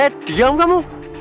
eh diam kamu